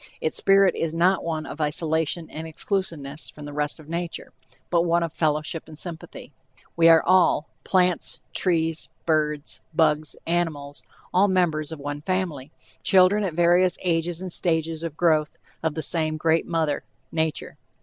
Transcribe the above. Its spirit is not one of isolation and exclusiveness from the rest of nature, but one of fellowship and sympathy. We are all plants, trees, birds, bugs, animals all members of one family, children at various ages and stages of growth of the same great mother, Nature.